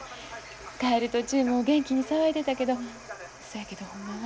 帰る途中も元気に騒いでたけどそやけどほんまは。